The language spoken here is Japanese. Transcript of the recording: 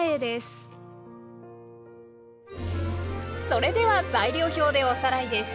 それでは材料表でおさらいです。